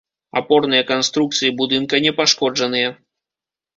Апорныя канструкцыі будынка не пашкоджаныя.